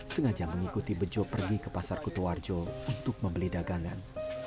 sengaja mengikuti bejo pergi ke pasar kutoarjo untuk membeli dagangan